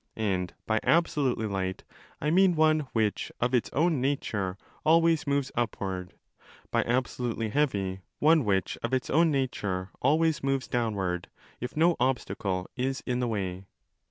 And by absolutely light I mean one which of its own nature always moves upward, by absolutely heavy one which of its own nature always moves downward, if no obstacle is in the way.